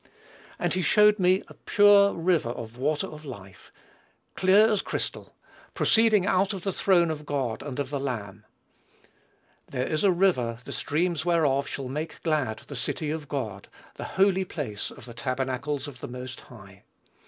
"And he showed me a pure river of water of life, clear as crystal, proceeding out of the throne of God and of the Lamb." "There is a river, the streams whereof shall make glad the city of God, the holy place of the tabernacles of the Most High."